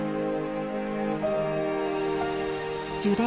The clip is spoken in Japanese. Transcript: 樹齢